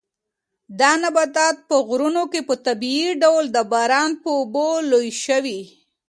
دا نباتات په غرونو کې په طبیعي ډول د باران په اوبو لوی شوي.